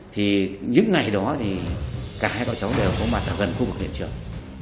thì những ngày đó thì cả hai cậu cháu đều có mặt gần khu vực hiện trường